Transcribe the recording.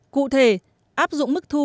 cụ thể áp dụng mức thu